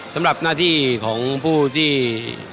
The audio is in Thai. สำหรับหน้าที่ของผู้ที่จับเวลาก็คือ